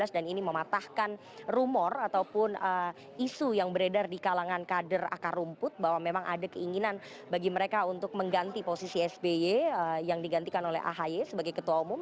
dan ini mematahkan rumor ataupun isu yang beredar di kalangan kader akar rumput bahwa memang ada keinginan bagi mereka untuk mengganti posisi sby yang digantikan oleh ahai sebagai ketua umum